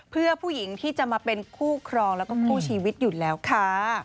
เพื่อผู้หญิงที่จะมาเป็นคู่ครองแล้วก็คู่ชีวิตอยู่แล้วค่ะ